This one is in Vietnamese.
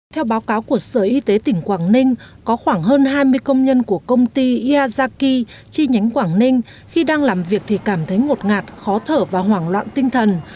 theo báo cáo của sở y tế tỉnh quảng ninh có khoảng hơn hai mươi công nhân của công ty yazaki chi nhánh quảng ninh khi đang làm việc thì cảm thấy ngột ngạt khó thở và hoảng loạn tinh thần